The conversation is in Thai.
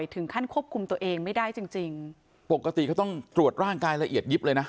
ถึงขั้นควบคุมตัวเองไม่ได้จริงจริงปกติเขาต้องตรวจร่างกายละเอียดยิบเลยนะ